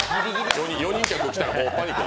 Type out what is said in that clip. ４人客、来たらもうパニック。